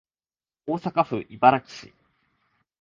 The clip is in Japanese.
大阪府茨木市